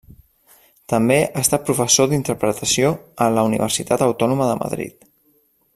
També ha estat professor d'interpretació a la Universitat Autònoma de Madrid.